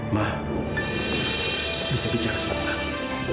ma bisa bicara sebentar